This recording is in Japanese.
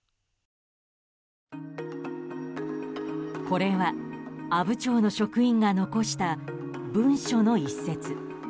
これは、阿武町の職員が残した文書の１節。